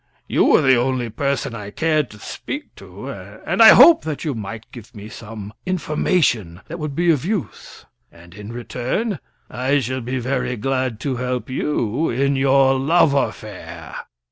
You were the only person I cared to speak to, and I hoped that you might give me some information that would be of use; and, in return, I shall be very glad to help you in your love affair."